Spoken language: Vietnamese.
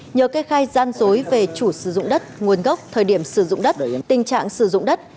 nhờ kê khai gian dối về chủ sử dụng đất nguồn gốc thời điểm sử dụng đất tình trạng sử dụng đất